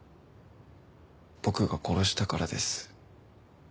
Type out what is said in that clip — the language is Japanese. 僕が殺したからです。